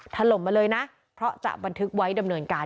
ถล่มมาเลยนะเพราะจะบันทึกไว้ดำเนินการ